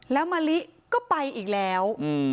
แล้วมะลิก็ไปอีกแล้ว